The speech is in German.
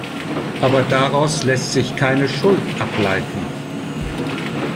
Aber daraus lässt sich keine Schuld ableiten.